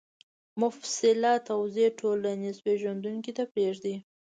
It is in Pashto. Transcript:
مفصله توضیح ټولنپېژندونکو ته پرېږدي